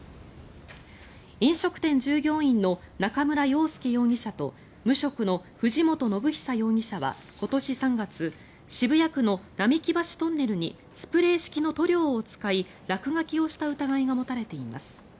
飲食店従業員の中村洋介容疑者と無職の藤本伸久容疑者は今年３月渋谷区の並木橋トンネルにスプレー式の塗料を使い落書きをした疑いが持たれています。